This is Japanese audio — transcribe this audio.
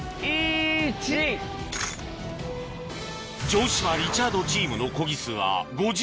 １！城島・リチャードチームのコギ数は５８